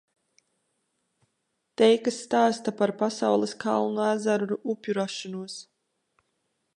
Teikas stāsta par pasaules, kalnu, ezeru, upju rašanos.